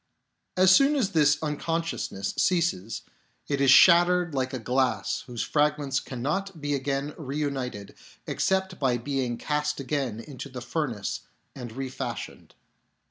As soon as this unconsciousness ceases it is shattered like a glass whose fragments cannot be again reunited except by being cast again into the furnace and THE AIM OF THEOLOGY 21 refashioned."